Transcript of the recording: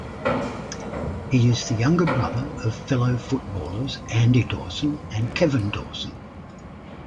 He is the younger brother of fellow footballers Andy Dawson and Kevin Dawson.